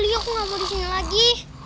li aku gak mau di sini lagi